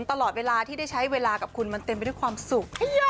ตลอดเวลาที่ได้ใช้เวลากับคุณมันเต็มไปด้วยความสุข